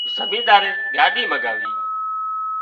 زمينۮارئي ڳاڏي مڳاوِي